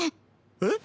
えっ？